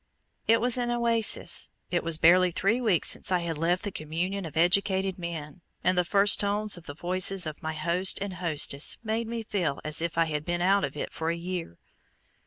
It was an oasis. It was barely three weeks since I had left "the communion of educated men," and the first tones of the voices of my host and hostess made me feel as if I had been out of it for a year.